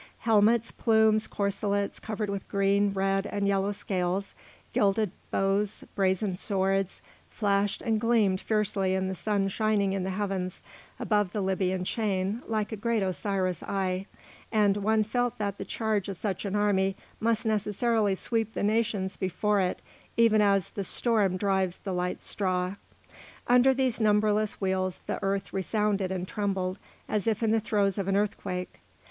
Helmets, plumes, corselets covered with green, red, and yellow scales, gilded bows, brazen swords, flashed and gleamed fiercely in the sun shining in the heavens above the Libyan chain like a great Osiris eye, and one felt that the charge of such an army must necessarily sweep the nations before it even as the storm drives the light straw. Under these numberless wheels the earth resounded and trembled as if in the throes of an earthquake.